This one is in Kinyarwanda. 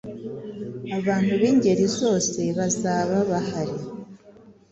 abantu bingeri zose bazaba bahari